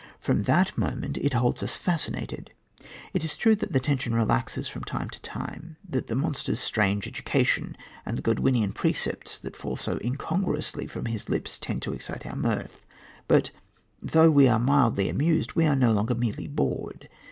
From that moment it holds us fascinated. It is true that the tension relaxes from time to time, that the monster's strange education and the Godwinian precepts that fall so incongruously from his lips tend to excite our mirth, but, though we are mildly amused, we are no longer merely bored.